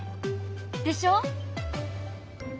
でしょ！